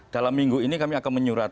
dalam minggu ini kami akan menyurat